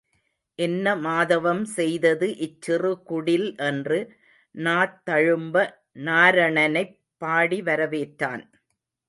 என்ன மாதவம் செய்தது இச்சிறு குடில் என்று நாத்தழும்ப நாரணனைப் பாடி வரவேற்றான்.